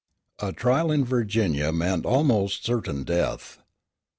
A trial in Virginia meant almost certain death.